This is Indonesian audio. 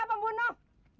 karena itu masa ini